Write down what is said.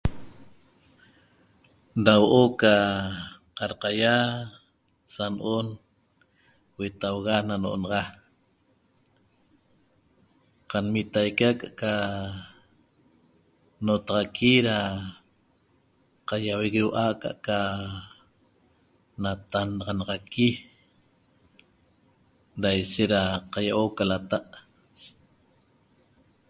Da huo'o ca qarqaia sano'on huetauga na no'onaxa qanmitaique aca'ca nnotaxaqui da qaiuegueua'a ca'aca natannaxaqui da ishet da qaiahuo'o ca lata'